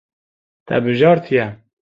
Te bijartiye.